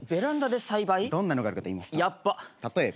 どんなのがあるかといいますと例えば。